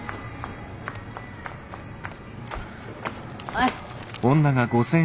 はい。